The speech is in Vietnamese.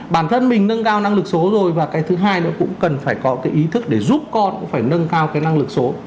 bản thân mình nâng cao năng lực số rồi và cái thứ hai nó cũng cần phải có cái ý thức để giúp con cũng phải nâng cao cái năng lực số